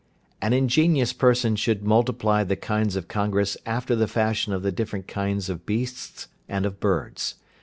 "An ingenious person should multiply the kinds of congress after the fashion of the different kinds of beasts and of birds.